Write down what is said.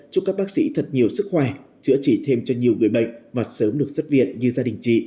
chúc các bác sĩ thật nhiều sức khỏe chữa trị thêm cho nhiều người bệnh và sớm được xuất viện như gia đình chị